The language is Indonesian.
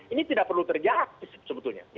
ini tidak perlu terjahat sebetulnya